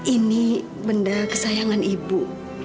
ini benda kesayangan ibu